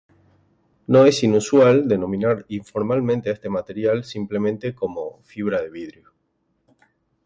No es inusual denominar informalmente a este material simplemente como "fibra de vidrio".